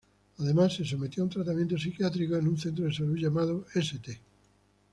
Además se sometió a un tratamiento psiquiátrico en un centro de salud llamado, St.